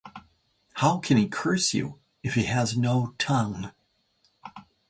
How can he curse you if he has no tongue?